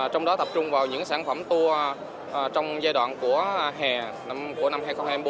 trong đó tập trung vào những sản phẩm tour trong giai đoạn của hè năm hai nghìn hai mươi bốn